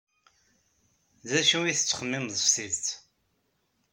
D acu ay tettxemmimed s tidet?